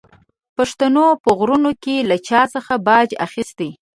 پښتنو په غرونو کې له چا څخه باج اخیست.